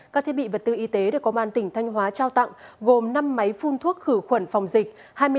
các thiết bị vật tư y tế được công an tỉnh thanh hóa trao tặng gồm năm máy phun thuốc khử khuẩn phòng dịch